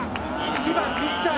１番ピッチャー